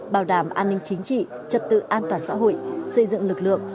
bảo đảm an ninh chính trị trật tự an toàn xã hội xây dựng lực lượng